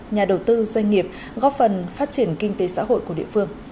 nhà đầu tư doanh nghiệp góp phần phát triển kinh tế xã hội của địa phương